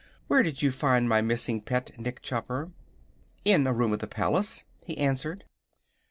Where did you find my missing pet, Nick Chopper?" "In a room of the palace," he answered.